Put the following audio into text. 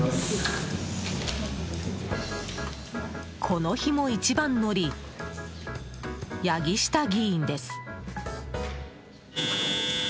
この日も一番乗り八木下議員です。